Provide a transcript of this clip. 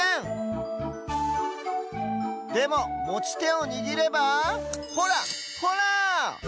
でももちてをにぎればほらほら！